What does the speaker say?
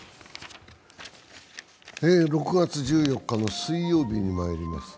６月１４日の水曜日にまいります。